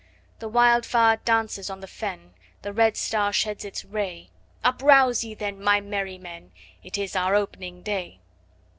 The wild fire dances on the fen, 5 The red star sheds its ray; Uprouse ye then, my merry men! It is our op'ning day.